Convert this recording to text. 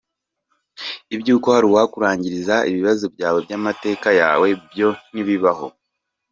Ibyo uko hari uwakurangiriza ibibazo byawe by’amateka yawe byo ntibibaho